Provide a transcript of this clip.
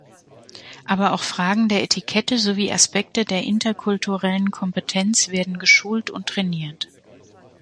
Aber auch Fragen der Etikette, sowie Aspekte der interkulturellen Kompetenz werden geschult und trainiert.